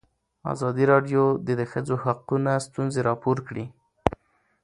ازادي راډیو د د ښځو حقونه ستونزې راپور کړي.